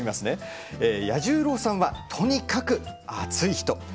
彌十郎さんは、とにかく熱い人！